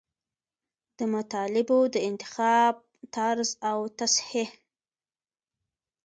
د مطالبو د انتخاب طرز او تصحیح.